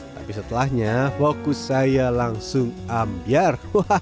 tapi setelahnya fokus saya langsung ambiar